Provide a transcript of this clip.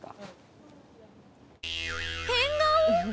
変顔？